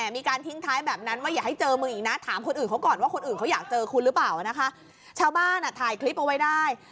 โปรดติดตามต่อไป